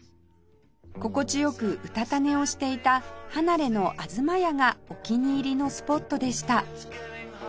心地良くうたた寝をしていた離れの東屋がお気に入りのスポットでした